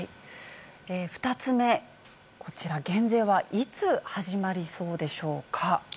２つ目、こちら、減税はいつ始まりそうでしょうか。